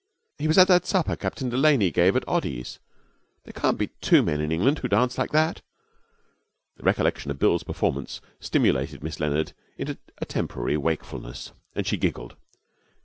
He was at that supper Captain Delaney gave at Oddy's. There can't be two men in England who dance like that!' The recollection of Bill's performance stimulated Miss Leonard into a temporary wakefulness, and she giggled.